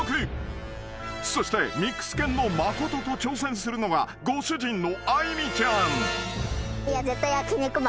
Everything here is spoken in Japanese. ［そしてミックス犬のまことと挑戦するのはご主人のアイミちゃん］